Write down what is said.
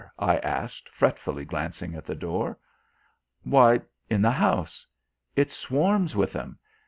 I asked fretfully, glancing at the door. "Why, in the house. It swarms with 'em.